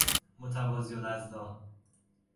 متوازی الاضلاع